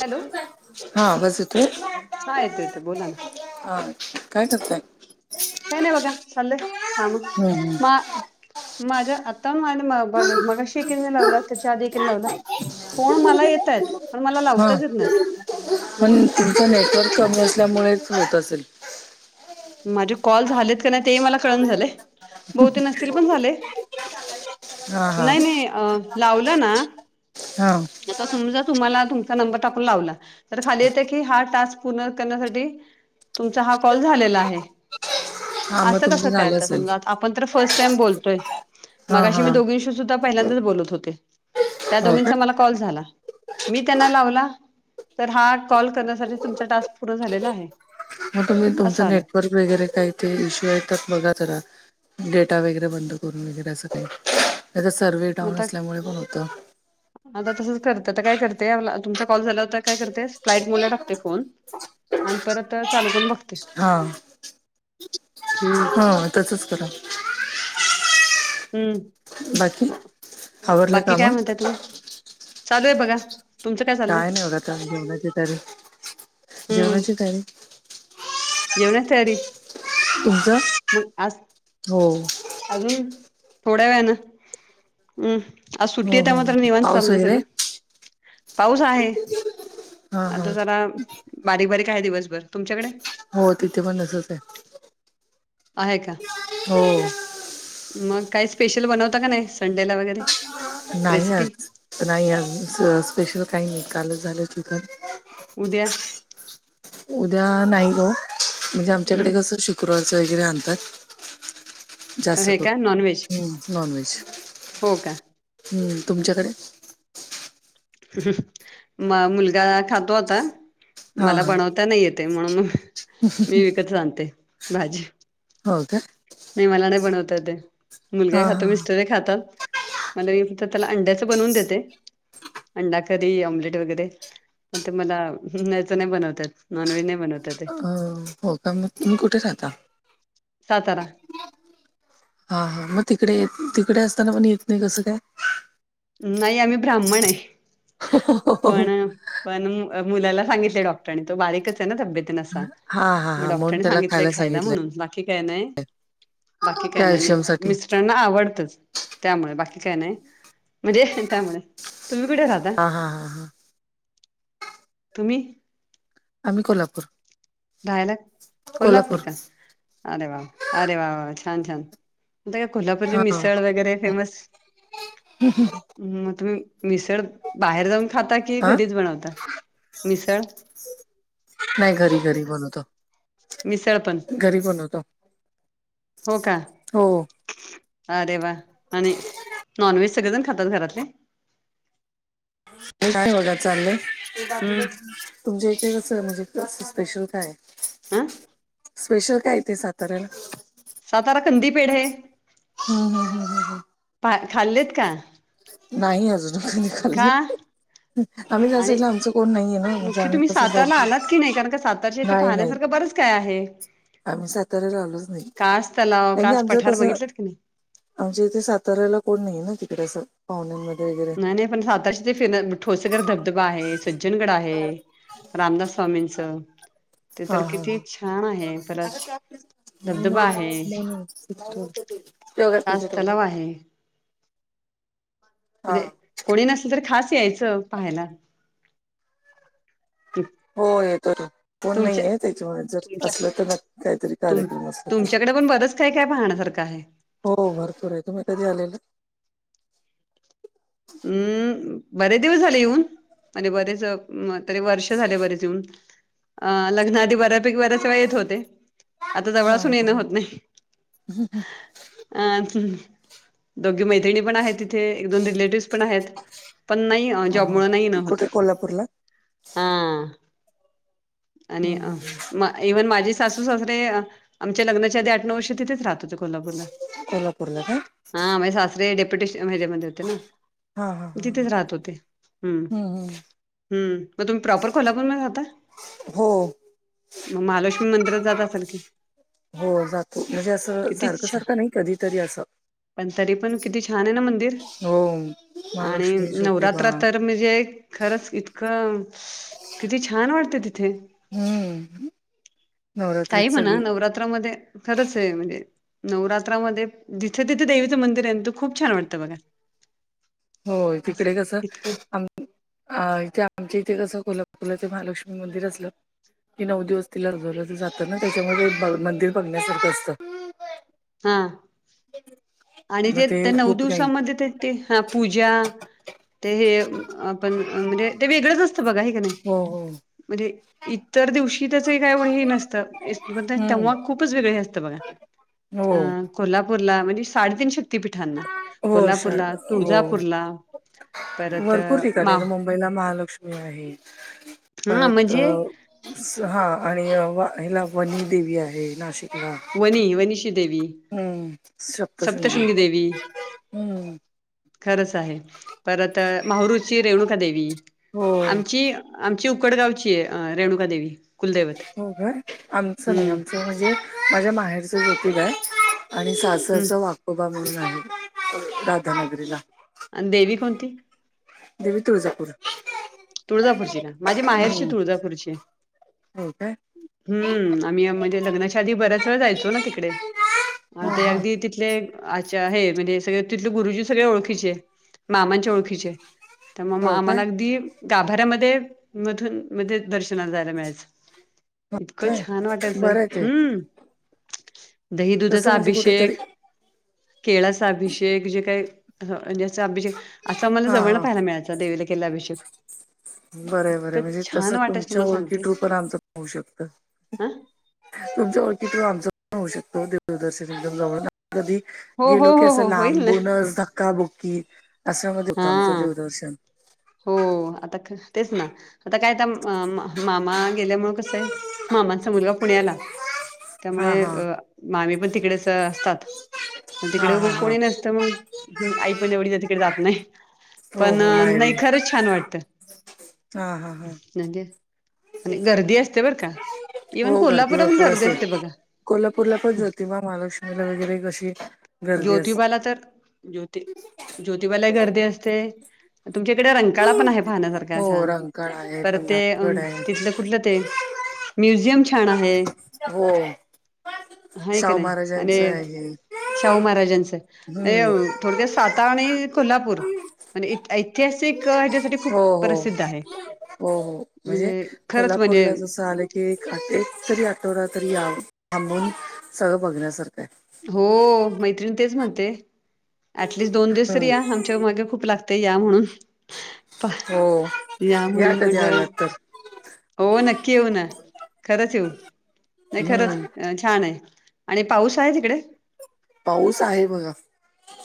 Hello हा बसतू हा येतो येतो बोला ना. अ काय करताय? काही नाही बघा संले थांम हम्म. मा. माझ्या आता माझ मगाशीिकन लावला त्याच्या आधी किन लावला. फोन मला येतात. हां म्हणजे पण तुमचं नेटवर्क कमी असल्यामुळेच होत असेल. माझे कॉल झालेत का नाही ते मला कळून झाले बहते नसतील पण झाले. हा हा नाही नाही अ लावलं ना. हा. आता समजा तुम्हाला तुमचा नंबर टाकून लावला? तर खाली येत की हा टास्क पूर्ण करण्यासाठी! तुमचा हा कॉल झालेला आहे हा मग अस कस तुमचं कय झालं असेल समजा आ. आपण तर फर्स्ट टाइम बोलतोय मग हा अशी हा मी दोघींशी सुद्धा पहिल्यांदाच बोलत होते. त्या हो का दोघींचा मला कॉल झाला मी त्यांना लावला. तर हा कॉल करण्यासाठी तुमचा टास्क पूर् झालेला आहे. मग तुम्ही असं तुमचं आलं नेटवर्क वगैरे काय ते इशू येतात बघा जरा. डेटा वगैरे बंद करून वगैरे असं काही सर्व मग डाऊन आता असल्यामुळे पण होतं. [unintelligible] आता तसंच करते आता काय करते तुमचा कॉल झाला होता काय करते फ्लाईट मुला टाकते फोन. आणि परत चालू करून बघ. हा. हम्म. हो तसंच करा? हम्म बाकी आवरलं बाकी काय काम म्हणता तुम्ही चालू आहे बघा. तुमचं चाललंय? काय नाही होतता जेवणाची तरी! हम्म जवणा तयारी तुमचा मग आज हो. अजून थोड्या वेळान हम् असू. हो कता हो. मात्र निेवण पाऊस चाललंय वगैरे सगळं पाऊस आहे. हा हा आता जरा बारीक बारीक आहे दिवसभर तुमच्याकडे. हो तिथे पण असच आहे. आहे का? हम्म. मग काय स्पेशल बनवता का नाही संडेला वगैरे. नाही आज रेसिपी नाही आज स्पेशल काही नाही कालच झालं चिकन उद्या उद्या नाही ग म्हणजे आमच्याकडे हम्म कसं शुक्रवारच वगैरे आणतात. जास्त हे कर का नॉनव्हेज नाॉन वेज हो का हम्म तुमच्याकडे म मुलगा खातो आता हां मला हां बनवता नाही येते म्हणून मी विकत राते भाजी हो का मे मला नाही बनवत ते मुलगा खातो हां मिस्तर खातात मला त्याला अंड्याच बनवून देते अंडाकरी ऑमलेट वगैरे म ते मला वचं नाही बनवतात नॉन व्हेज नाही बनवत ते हां हो का मग तुम्ही कुठे राहता स तार हा हा मग तिकडेेत तिकडे असताना पण येत नाही कसं काय नाही आम्ही ब्राह्मण आहे हो हो पण हो पण मुलाला सांगितले डॉक्टरांनी तो बारीकच आहे ना तब्येत. हा हा म हा म्हणून डॉक्टरांनी त्याला सांगितलंय खायला म्हणून सांगितलंय काय नाही. बाकी काय नाही नाही कॅल्शियम साठी मिस्रांना आवडतच त्यामुळे बाकी काय नाही. म्हणजे त्यामुळे तुम्ही कुठे राह. हा हा हां हां तुम्ही आम्ही कोल्हापूर राहायला कोल्हापूर का अरे वा वा अरे वा वा छान छान ता का कोल्हापूरची हा मिसळ वगैरे फेमस मग तुम्ही मिसळ बाहेर जाऊन खाता की हा घरीच बनवता मिसळ नाही घरी घरी बनवतो मिसळपण घरीब नवतो हो का हो अरे वा आणि नॉनव्हेज सगळे जण खातात घरातले काय होला चाललंय हम्म तुमच्या इथे कसं म्हणजें स्पेशल काय आं स्पेशल काय ते साताऱ्याला सातारा खंदी पेढ हे हम् हम हम हम हम खाल्लेत का नाही अजून नि का खाली आणि म्हणजे मुख्य आम्ही तुम्ही कसं सातार्याला आलात दार्जिलिंग की नाही कारण का साताराच्या इथे नाही नाही पाहण्यासारखं बरच काय आहे आम्ही साताऱ्या राहिलोच नाही कास तलाव कार की कास आमचं पठार कसं बघितलेत की नाही आमच्या इथे साताऱ्याला कोण नाहीये ना तिकडे असं पाहण्यामध्ये नाही नाही पण सातश ते फिर ठोसगर धबधबा आहे सज्जनगड आहे रामदास स्वामींचं ते हा तर हा किती छान आहे पर ोगच कास ठ तलाव आहे हा म्हणजे कोणी नसलं तर खास यायचं पाहायला हो येतो कोण नाही तुमच्या आहे त्याच्यामुळे जर तुमच्या असलं तर नक्की काहीतरी तुम कार्यक्रम असला तर तुमच्याकडे पण बरंच काय काय पाहण्यासारखं आहे हो भरपूर आहे तुम्ही कधी आलेला हम्म बरेच दिवस झाले येऊन आणि बरेच तरी वर्षं झाले बरेच येऊन आ लग्नाआधी बरेच वेळा येत होते आता जवळ हा असुन हा येण हा होत नाही. अ दोघी मैत्रिणी पण आहे तिथे एक दोन रिलेटिव पण आहेत पण नाही हा जॉबमुळे नाही येन हा होत. कुठे कोल्हापूरला हा आणि हम्म, अ हम्म, हम्म. म इव्हन माझी सासू ससरे आमच्या लग्नाच्या आधी आठ नऊ वर्षे तिथेच राहत होत. कोल्हापुरला कोल्हापूरला का हा म्हणजे सासरे डेप्युटेशन मध्ये होते ना. हा हा हा तिथेच हा. राहत होते हम्म हम्म मग तुम्ही प्रॉपर कोल्हापूर मध्ये राहता. हो. मग महालक्ष्मी मंदिरात जात असाल की हो जातो म्हणजे असं किती सारखं छान सारखं नाही कधीतरी असं. पण तरी पण किती छान आहे ना मंदिर. हो. आणि महालक्ष्मी ज्योतिबा नवरात्रात तर म्हणजे खरंच इतकं किती छान वाटते तिथे हम्म काही नवरात्रीत म्हणा सगळी नवरात्रामध्ये खरंच आहे म्हणजे नवरात्रामध्ये जिथे तिथे देवीचं मंदिर आहे तिथ खूप छान वाटतं बघा. होय तिकडे असं कसं इतकं आ. अ इथे आमच्या इथे कस कोल्हापूर ते महालक्ष्मी मंदिर असलं. कि नऊ दिवस तिला सजवलं जातं ना त्याच्यामध्ये मंदिर बघण्यासारखं असतं. हा. आणि मग जे ते नऊ खूप काही दिवसामध्ये ते ते हा पूजा ते हे आपण म्हणजे ते वेगळंच असतं बघा हे कनी हो हो. म्हणजे इतर दिवशी त्याचही काय एवढ हे नसतं. हम्म तेव्हा खूपच वेगळे असतं बघा हो अ कोल्हापूरला म्हणजे साडेतीनशे शक्तीपीठांना हो शाळ कोल्हापूरला हो तुळजापूरला परत भरपूर ठिकाणी मा आ मुंबईला महालक्ष्मी आहे हा परत म्हणजे हा आणि वा ह्याला वनी देवी आहे नाशिकला वनी वनीषी देवी सप्तशृंगी देवी हम्म खरंच आहे परत माहुरूची रेणुका देवी हो आमची आमची उकडगावची आहे रेणुकादेवी हो का आमच नाही आमचं म्हणजे माझ्या माहेरच जोतिबा आहे आणि सा. हम्म अस वाकोबा म्हणून आहे राधानगरीला आणि देवी कोणती? देवी तुळजापूर तुळजापूरची का माझी माहेरची हम्म तुळजापूरची आहे. हो काय हम्म आम्ही म्हणजे लग्नाच्या आधी बऱ्याच वेळा जायचो. ना तिकडे हा आणि ते हा अगदी तिथले. अच्छा हे म्हणजे सगळ तिथले गुरुजी सगळ ओळखीचे आहे मामांच्या ओळखीचे. तर मग हो आम्हाला काय अगदी गाभाऱ्यामध्ये मधून मध्ये दर्शनाला जायला मिळायचं. इतकं काय छान वाटायचं बरं आहे ते हम्म. दही तसं दुधाचा म्हणजे कुठेतरी अभिषेक केळाचा अभिषेक जे काय? असं अभिषेक असा आमला हा जवळला हा पाहायला मिळायचा देवीचा केलेला अभिषेक बरं बरं इतकं म्हणजे छान तसं वाटायचं तुमच्या तुम्हाला ओळखी सांगते टु पण आमचं होऊ शकतय. हा तुमच्या‌ ओळख टु कि आमच पण होऊ शकत देवदर्शन जवळ कधी हो गेलो हो की हो असं हो होईल ना लांबूनच धक्काबुक्की असं म होतो आमचं हा. देवदर्शन हो आता तेच ना आता काय? अ मामा गेल्यामुळे कसं आहे मामांचा मुलगा पुण्याला हा त्यामुळे हा अ मामी पण तिकडेच असतात हा तिकडे हा मग हा कोणी नसतं मग त्याच्या मुळ आई पण एवढी त्याच्याकड जात नाही, हो पण हो नाही मायरे खरंच छान वाटत. हा हा हा म्हनजे आणि गर्दी असते बरं का. इव्हन हो कोल्हापुर पण भरपूर गर्दी असेल. असते बघा. कोल्हापूरला पण ज्योतिबा, महालक्ष्मीला वगैरे कशी गर्दी असते. ज्योतिबाला ज्योती देवाला गर्दी असते. तुमच्याकडे रंकाळा पण आहे पाहण्यासारखा हो असा रंकाळा आहे परत ते पन्हाळगड आहे. तिथलं ते म्युजियम छान आहे. हो हाय का शाहू नाय? अन महाराजांचं आहे शाहू महाराजांच अ हम्म थोडक्यात सातारा आणि कोल्हापूर आणि ऐतिहासिक हच्यासाठी हो हो हो हो म्हणजे खरंच म्हणजे कोल्हापूरला जस आलं ते एक एक तरी आठवडा तरी थांबून, सगळं बघण्यासारखं आहे. हो मैत्रिण तेच म्हणते ऍटलिस्ट दोन दिवस तरी या हम्म हम् च्यामागे खूप लागते या म्हणून, हो या म्हणून कधी म्हटलं आलात तर हो नक्की येऊ ना खरंच येऊ. नाही खरंच हम्म अ छान आहे आणि पाऊस आहे तिकडे? पाऊस आहे बघा,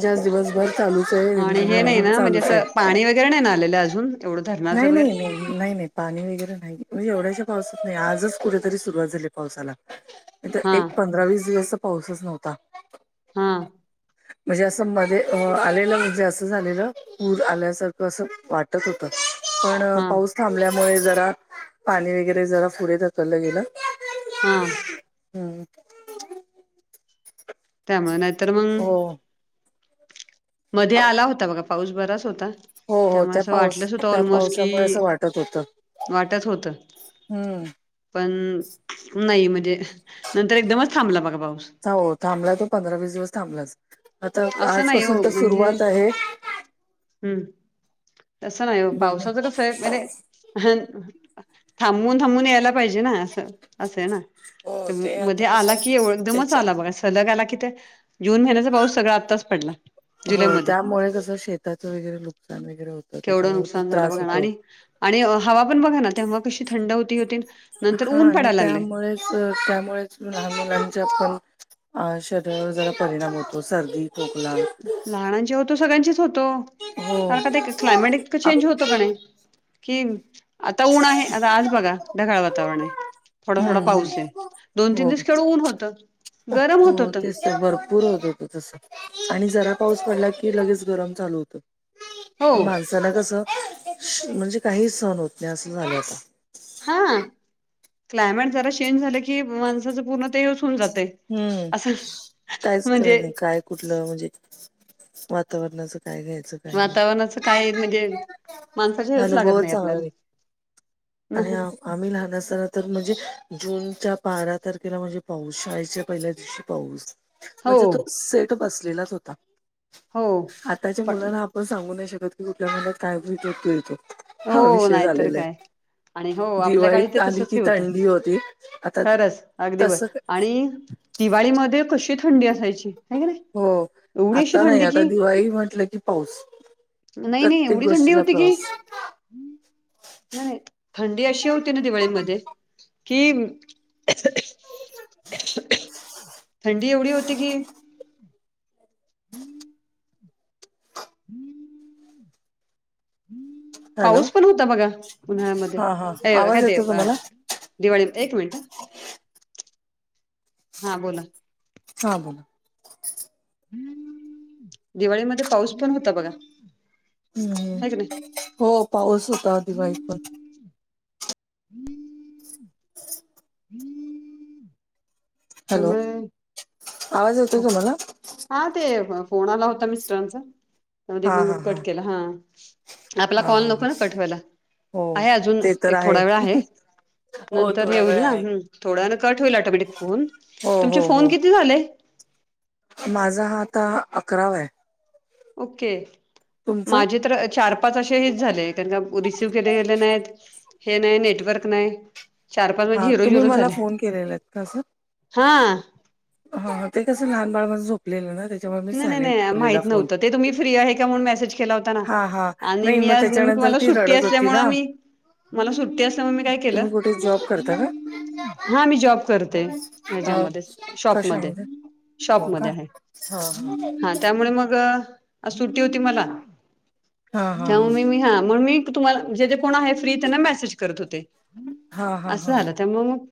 ज्यात दिवसभर चालूच आहे, रिमझिम रिमझिम चालूच आहे. [unintelligible] नहींना आले अजून? एवढं धरणाचं नाही वगैरे नाही. नाही नाही पाणी वगैरे नाही म्हणजे एवढ्याशा पावसात नाही आजच कुठेतरी सुरुवात झाली पावसाला. इथ हा एक पंधरा वीस दिवसतर पाऊसच नव्हता. हा. म्हणजे असं मध्ये अ आलेलं म्हणजे असं झालेलं पूर आल्यासारखं असं वाटत होतं पण हा पाऊस थांबल्यामुळे जरा पाणी वगैरे जरा पुढे धकललं गेलं. हा. हम्. त्यामुळे, नाहीतर मग हो मध्ये आला होता बघा पाऊस बराच होता. हो हो त्यामुळे त्या असं पावस वाटलंच होतं त्या ऑलमोस्ट कि पावसामुळे असं वाटत होत. वाटत होतं हम्म. पण नाही म्हणजे नंतर एकदमच थांबला बघा पाऊस. हो थांबलाय तो पंधरा वीस दिवस थांबलाच, आता असं नाही आजपासून हो तर म्हणजे सुरुवात आहे. हम्म. तसं नाही ओ बघ पावसाचं कस आहे म्हणजे? हं, थांबून थांबून यायला पाहिजे ना असं असं ना हो तर ते आता मध्ये कसं आला आहे की एव एकदमच त्याच्या आला बघा. सलग आला कि ते, जून महिन्याचा पाऊस सगळा आत्ताच पडला. हो जुलैमध्ये त्यामुळे कसं शेताचं वगैरे नुकसान वगैरे होतं केवढं त्याच्यामुळे खूप नुकसान झालं त्रास बघा ना होतो. आणि आणि हवा पण बघा ना तेव्हा कशी थंड होतीन होती नंतर ऊन पडायला लागलय. च त्यामुळेच लहान मुलांच्या पण आ शरीरावर जरा परिणाम होतो, सर्दी खोकला लहानांच्या होतो, सगळ्यांचेच होतो हो कारण का ते क्लायमेट कि आप चेंज होतो का नाही? कि आता ऊन आहे आता आज बघा, ढगाळ वातावरण आहे. थोडा थोडा हम्म पाऊस आहे, दोन तीन हो दिवस केवड ऊन होत, गरम होत हो होत. तेच भरपूर होत होत तस आणि जरा पाऊस पडला की लगेच गरम चालू होतं. हो माणसाला कस म्हणजे काही सण होत नाही अस झालय आता. हा क्लायमेट जरा चेंज झालं की, माणसाचं पूर्ण ते हेच होवून जातय. हम्म. असं कायच म्हणजे कळत नाही, काय कुठलं म्हणजे वातावरणाचं काय घ्यायचं काय नाही. वातावरणाचं काय म्हणजे माणसाच्या हेळच लागत अनुभवच नाही चांगला आपल्याला आणि ना आम्ही लहान असताना तर म्हणजे जूनच्या बारा तारखेला म्हणजे पावसाळ्या पहिल्या दिवशी पाऊस म्हणजे हो तो सेट बसलेलाच होता. हो आताच्या पण मुलांना आपण सांगू नाही शकत की कुठल्या मनात काय [unintelligible] येतोय तो हो हा विषय नाहीतर झालेला काय आहे. आणि हो आपल्या काळी दिवाळीत ते आली तसच की हे होतं थंडी होती आता खरंच अगदी तस बर आणि दिवाळीमध्ये कशी थंडी असायची. की नाही हो एवढी अशी आता नाही थंडी आता की दिवाळी म्हटलं की पाऊस प्रत्येक गोष्टीला पाऊस ह् नाही नाही थंडी अशी होती ना दिवाळीमध्ये कि थंडी एवढी होती की हम्म हम्म हॅलो पाऊस पण होता बघा उन्हाळ्यामध्ये हा हा अ काय आवाज ते येतो तुम्हाला दिवाळीत एक मिनिट ह हा बोला हा बोला दिवाळीमध्ये पाऊस पण होता बघा हम्म आहे की नाही हो पाऊस होता आधी दिवाळीत पण हम्म हम्म हॅलो त्यामुळे आवाज हा येतोय तुम्हाला? हा ते फोन आला होता मिस्टरांचा त्यामध्ये हा मग हा कट केला हा. आपला हा हा कॉल नको ना कट व्हायला हो आहे अजून ते तर एक थोडा वेळ आहे. हो नंतर हे थोडा होईल वेळ ना आहे थोडा ना कट होईल ऑटोमॅटिक फोन हो तुमचे हो फोन हो किती झाले? माझा हा आता अकरावा आहे. ओके तुमचं माझे तर चार पाच असे हेच झाले. कारण का रिसीव्ह केले गेले नाहीत. हे नाही नेटवर्क नाही. चार- पाच म्हणजे हा तुम्ही हिरोजिरो मला झाले फोन केलेला आहेत का असं हा. हा ते कसं लहान बाळ माझं झोप नाही नाही नाही माहित नव्हत ते तुम्ही फ्री आहे का म्हणून मेसेज केला होता ना हा हा आणि नाही मी मग आज त्याच्यानंतर मला ती सुट्टी रडत होती असल्यामूळ ना मी मला सुट्टी असल्यामूळ मी काय केलं तुम्ही कुठे जॉब करता का? हा मी जॉब करते अ ह्यच्यामध्ये शॉपमध्ये कशामध्ये शॉप हो का? मध्ये आहे. हा हा. त्यामुळे मग आज सुट्टी होती मला हा हा त्यामुळे मी मी हा म्हणून मी तुम्हाला जे जे कोण आहे फ्री त्यांना मेसेज करत होते हा हा हा अस हा झालं हा त्यामूळ मग